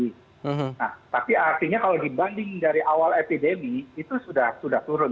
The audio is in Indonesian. nah tapi artinya kalau dibanding dari awal epidemi itu sudah turun